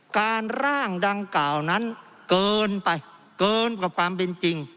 การร่างดังกล่าวนั้นเกินไปเกินกว่าความเป็นจริง